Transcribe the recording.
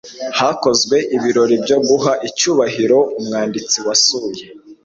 Hakozwe ibirori byo guha icyubahiro umwanditsi wasuye.